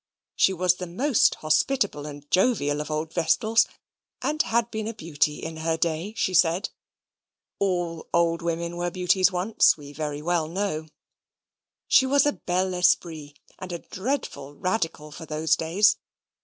She was the most hospitable and jovial of old vestals, and had been a beauty in her day, she said. (All old women were beauties once, we very well know.) She was a bel esprit, and a dreadful Radical for those days.